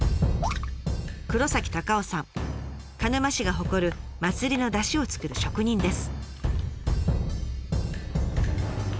鹿沼市が誇る祭りの山車を作る職人です。